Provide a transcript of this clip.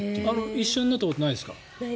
一緒になったことないですか？